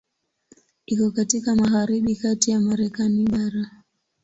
Iko katika magharibi kati ya Marekani bara.